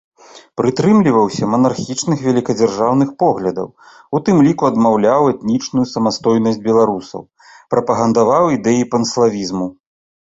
Прытрымліваўся манархічных вялікадзяржаўных поглядаў, у тым ліку адмаўляў этнічную самастойнасць беларусаў, прапагандаваў ідэі панславізму.